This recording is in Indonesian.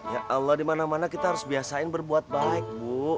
ya allah dimana mana kita harus biasain berbuat baik bu